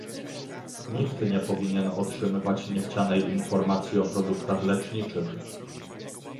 Nikt nie powinien otrzymywać niechcianej informacji o produktach leczniczych